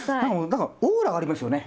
何かオーラがありますよね。